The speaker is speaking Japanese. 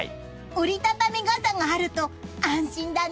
折り畳み傘があると安心だね！